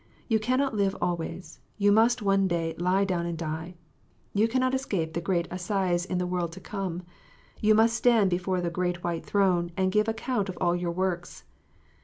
You cannot live always : you must one day lie down and die. You cannot escape the great assize in the world to come : you must stand before the great white throne, and give account of all your works.